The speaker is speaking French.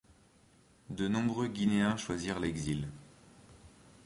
De nombreux Guinéens choisirent l'exil.